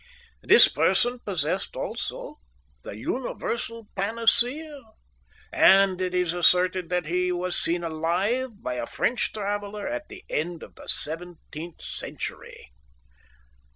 This person possessed also the Universal Panacea, and it is asserted that he was seen still alive by a French traveller at the end of the seventeenth century.